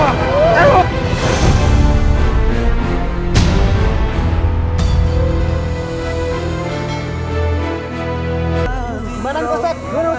badan pak ustadz